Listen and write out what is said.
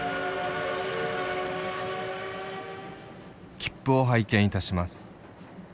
「『切符を拝見いたします。』